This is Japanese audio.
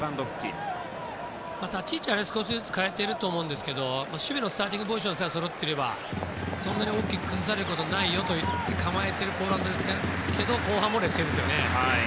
立ち位置は少しずつ変えていると思いますが守備のスターティングポジションさえそろっていればそんなに大きく崩されることがないよといって構えているポーランドですが後半も劣勢ですよね。